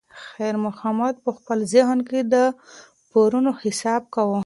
خیر محمد په خپل ذهن کې د پورونو حساب کاوه.